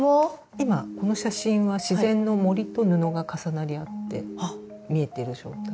今この写真は自然の森と布が重なり合って見えてる状態です。